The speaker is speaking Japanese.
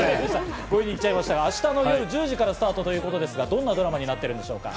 明日の夜１０時からスタートということですが、どんなドラマになっているんでしょうか？